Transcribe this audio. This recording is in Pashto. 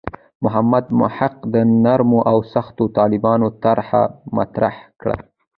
محمد محق د نرمو او سختو طالبانو طرح مطرح کړه.